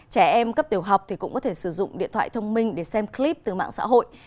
trẻ em cấp tiểu học thì cũng có thể sử dụng điện thoại thông minh để xem clip từ mạng xã hội